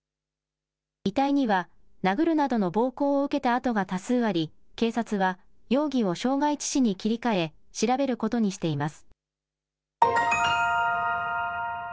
遺体には、殴るなどの暴行を受けた跡が多数あり、警察は容疑を傷害致死に切り替え、調べることにしています。